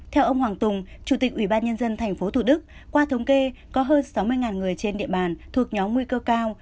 theo ông hoàng tùng chủ tịch ủy ban nhân dân tp thủ đức qua thống kê có hơn sáu mươi người trên địa bàn thuộc nhóm nguy cơ cao